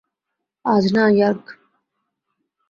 আজ না, যার্গ!